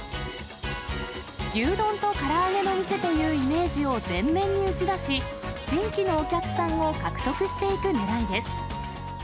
牛丼とから揚げの店というイメージを前面に打ち出し、新規のお客さんを獲得していくねらいです。